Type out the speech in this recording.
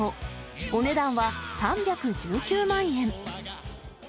お値段は３１９万円。